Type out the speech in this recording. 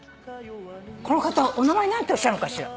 この方お名前何ておっしゃるのかしら。